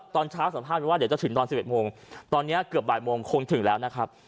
ตอนเช้าสัมภาษณ์ว่าเดี๋ยวจะถึงตอน๑๑โมงตอนนี้เกือบบ่ายโมงคงถึงแล้วนะครับ